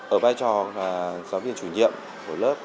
ở vai trò giáo viên chủ nhiệm của lớp